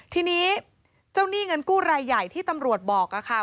ทีนี้เจ้าหนี้เงินกู้รายใหญ่ที่ตำรวจบอกค่ะ